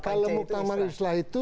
kalau muktamar islah itu